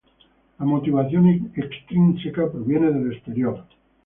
La motivación extrínseca proviene del exterior.